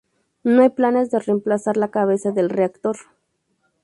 No hay planes de reemplazar la cabeza del reactor.